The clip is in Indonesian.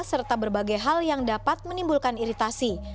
serta berbagai hal yang dapat menimbulkan iritasi